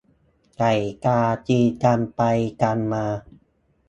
ไก่กาตีกันไปกันมา